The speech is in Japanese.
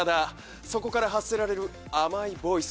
そこから発せられる甘いボイス。